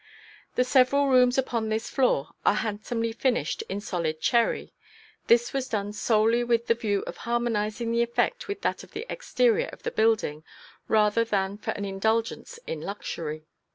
The several rooms upon this floor are handsomely finished in solid cherry; this was done solely with the view of harmonizing the effect with that of the exterior of the building, rather than for an indulgence in luxury.